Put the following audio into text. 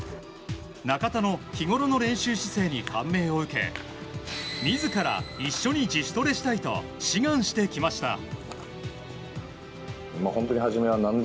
中田の日ごろの練習姿勢に感銘を受け自ら一緒に自主トレしたいと志願してきました。